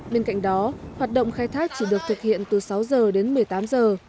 bên cạnh đó hoạt động khai thác chỉ được thực hiện từ sáu giờ đến một mươi tám giờ